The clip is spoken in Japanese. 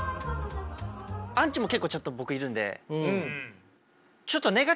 アンチも結構ちょっと僕いるんで。